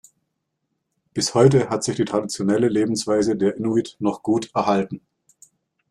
Bis heute hat sich die traditionelle Lebensweise der Inuit noch gut erhalten.